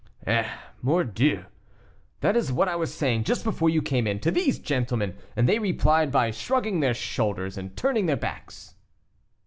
"Eh, mordieu! that is what I was saying just before you came in, to these gentlemen, and they replied by shrugging their shoulders and turning their backs."